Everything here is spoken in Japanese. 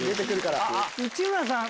内村さん